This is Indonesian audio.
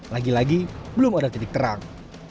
lagi lagi belum ada titik terang